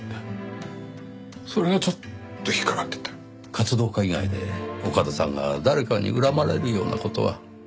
活動家以外で岡田さんが誰かに恨まれるような事は？